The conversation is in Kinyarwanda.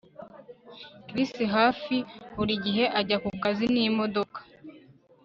Chris hafi buri gihe ajya kukazi nimodoka